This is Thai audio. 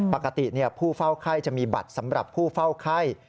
ปกติผู้เฝ้าไข้จะมีบัตรสำหรับผู้เฝ้าไข้